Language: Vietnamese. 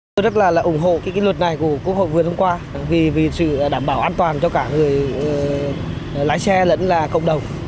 tôi rất là ủng hộ cái luật này của quốc hội vừa thông qua vì vì sự đảm bảo an toàn cho cả người lái xe lẫn là cộng đồng